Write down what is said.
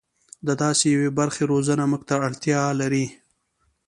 د داسې یوې برخې روزنه موږ ته اړتیا لري.